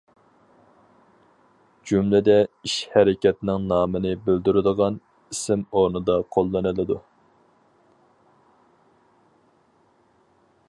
جۈملىدە ئىش-ھەرىكەتنىڭ نامىنى بىلدۈرىدىغان ئىسىم ئورنىدا قوللىنىلىدۇ.